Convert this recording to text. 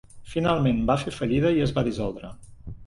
Finalment va fer fallida i es va dissoldre.